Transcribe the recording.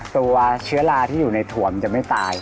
ตัวเชื้อราที่อยู่ในถั่วมันจะไม่ตาย